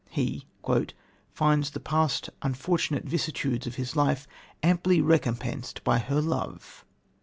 He "finds the past unfortunate vicissitudes of his life amply recompensed by her love."